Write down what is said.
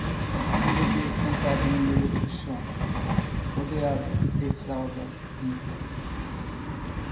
um bebê sentado no meio do chão, rodeado de fraldas limpas